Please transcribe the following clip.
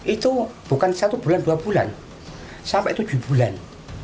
itu bukan satu bulan dua bulan sampai tujuh bulan